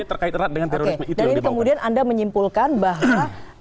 oke dan ini kemudian anda menyimpulkan bahwa